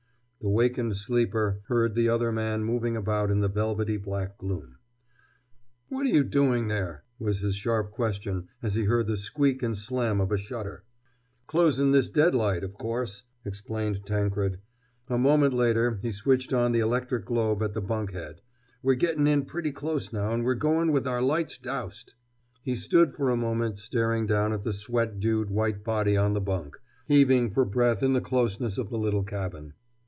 The wakened sleeper heard the other man moving about in the velvety black gloom. "What're you doing there?" was his sharp question as he heard the squeak and slam of a shutter. "Closin' this dead light, of course," explained Tankred. A moment later he switched on the electric globe at the bunk head. "We're gettin' in pretty close now and we're goin' with our lights doused!" He stood for a moment, staring down at the sweat dewed white body on the bunk, heaving for breath in the closeness of the little cabin.